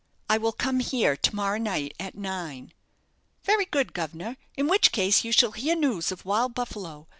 "I will come here to morrow night, at nine." "Very good, guv'nor; in which case you shall hear news of 'Wild Buffalo.'